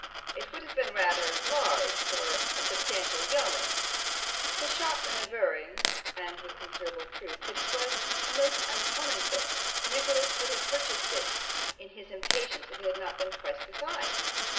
It would have been rather large for a substantial yeoman, but the shopman averring (and with considerable truth) that it was a most uncommon fit, Nicholas would have purchased it in his impatience if it had been twice the size.